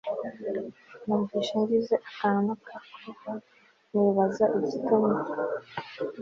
numvise ngize akantu kakoba nibaza igitumye